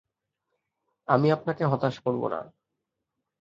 আমি আপনাকে হতাশ করব না!